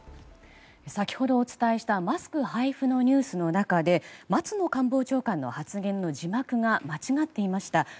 先ほど、お伝えしたマスク配布のニュースの中で松野官房長官の発言の字幕が間違っていました。